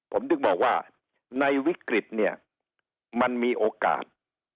ผมถึงบอกว่าในวิกฤตเนี่ยมันมีโอกาส